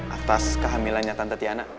atas kehamilannya tante tiana